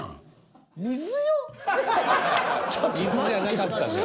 水じゃなかったのよ。